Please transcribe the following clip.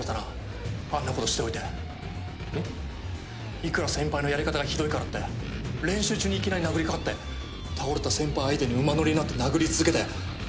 いくら先輩のやり方がひどいからって練習中にいきなり殴り掛かって倒れた先輩相手に馬乗りになって殴り続けて。